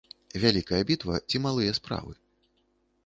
Вялікая бітва ці малыя справы?